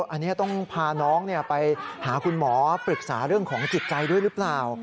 อันนี้ต้องพาน้องไปหาคุณหมอปรึกษาเรื่องของจิตใจด้วยหรือเปล่า